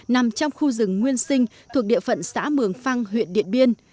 nằm trong khu rừng nguyên sinh thuộc địa phận xã mường phăng huyện điện biên